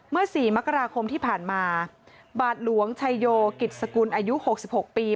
สี่มกราคมที่ผ่านมาบาทหลวงชัยโยกิจสกุลอายุ๖๖ปี